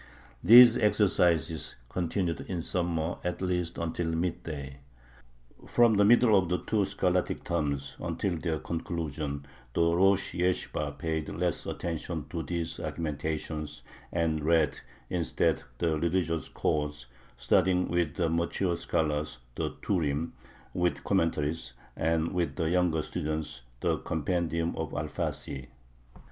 These exercises continued in summer at least until midday. From the middle of the two scholastic terms until their conclusion the rosh yeshibah paid less attention to these argumentations, and read instead the religious codes, studying with the mature scholars the Turim with commentaries, and with the [younger] students the compendium of Alfasi....